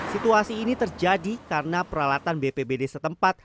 situasi ini terjadi karena peralatan bpbd setempat